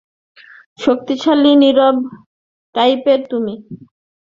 শক্তিশালী, নীরব টাইপের তুমি।